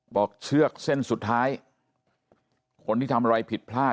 เชือกเส้นสุดท้ายคนที่ทำอะไรผิดพลาด